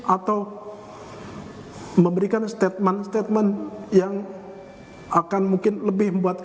atau memberikan statement statement yang akan mungkin lebih membuat